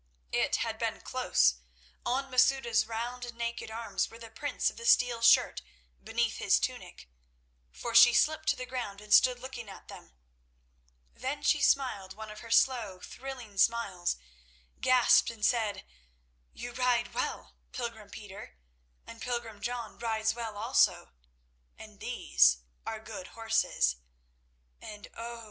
It had been close; on Masouda's round and naked arms were the prints of the steel shirt beneath his tunic, for she slipped to the ground and stood looking at them. Then she smiled one of her slow, thrilling smiles, gasped and said: "You ride well, pilgrim Peter, and pilgrim John rides well also, and these are good horses; and, oh!